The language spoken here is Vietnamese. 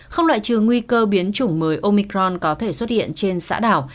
không loại trừ nguy cơ biến chủng mới omicron có thể xuất hiện trên xã đảo